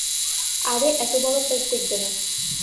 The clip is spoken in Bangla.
আরে এতো বড় পেট দেখবে না।